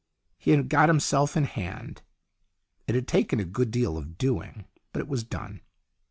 He had got himself in hand. It had taken a good deal of doing, but it was done.